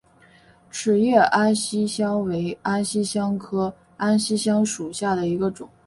齿叶安息香为安息香科安息香属下的一个种。